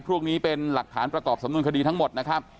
พวกนี้เป็นหลักฐานประกอบสำนวนคดีทั้งหมดนะครับ